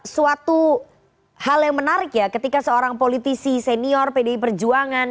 suatu hal yang menarik ya ketika seorang politisi senior pdi perjuangan